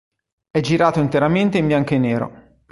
È girato interamente in bianco e nero.